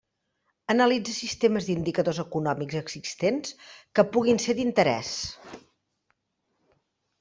Analitza sistemes d'indicadors econòmics existents que puguin ser d'interès.